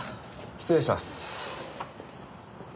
失礼します。